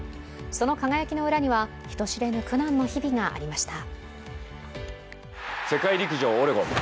その輝きの裏には人知れぬ苦難の日々がありました。